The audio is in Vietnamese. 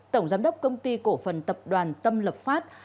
tổng giám đốc công ty cổ phần tập đoàn tâm lập pháp